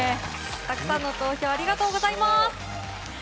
たくさんの投票ありがとうございます。